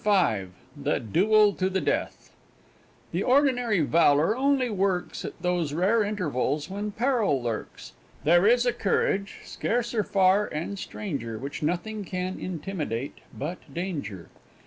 CHAPTER V THE DUEL TO THE DEATH The ordinary valour only works At those rare intervals when peril lurks; There is a courage, scarcer far, and stranger, Which nothing can intimidate but danger.